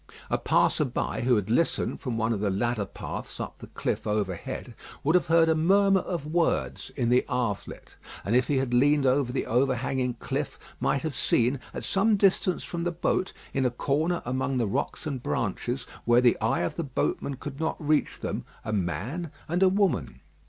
A passer by, who had listened from one of the ladder paths up the cliffs overhead, would have heard a murmur of words in the Havelet, and if he had leaned over the overhanging cliff might have seen, at some distance from the boat, in a corner among the rocks and branches, where the eye of the boatman could not reach them, a man and a woman.